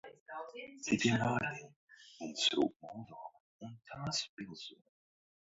Citiem vārdiem, mums rūp Moldova un tās pilsoņi.